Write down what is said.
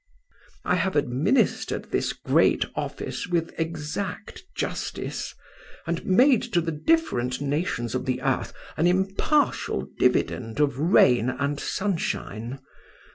I have administered this great office with exact justice, and made to the different nations of the earth an impartial dividend of rain and sunshine.